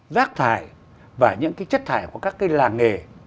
rác thải và những cái chất thải của các cái làng nghề